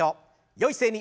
よい姿勢に。